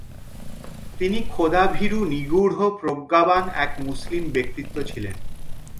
তিনি খোদাভীরু নিগূঢ় প্রজ্ঞাবান এক মুসলিম ব্যক্তিত্ব ছিলেন ।